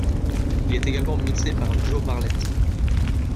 Il est également mixé par Joe Marlett.